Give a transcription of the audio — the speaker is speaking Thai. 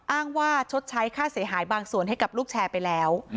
อ้างว่าชดใช้ค่าเสียหายบางส่วนให้กับลูกแชร์ไปแล้ว